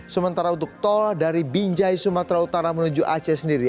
sementara untuk tol dari binjai sumatera utara menuju aceh sendiri